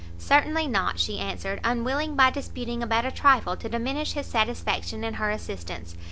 "Certainly not;" she answered, unwilling by disputing about a trifle to diminish his satisfaction in her assistance.